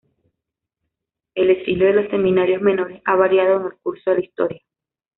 El estilo de los seminarios menores ha variado en el curso de la historia.